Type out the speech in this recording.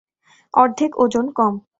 অর্ধেক ওজন কম।